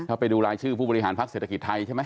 ถ้าไปดูรายชื่อผู้บริหารพักเศรษฐกิจไทยใช่ไหม